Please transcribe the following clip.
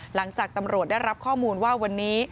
หลังจากตำรวจได้รับข้อมูลว่าวันนี้